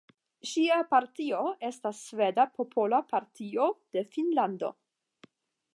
Ŝia partio estas Sveda Popola Partio de Finnlando.